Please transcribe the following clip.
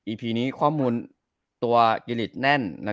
อีพีนี้ข้อมูลตัวเกลียดแน่น